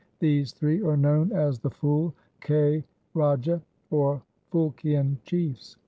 These three are known as the Phul ke Raje, or Phulkian chiefs.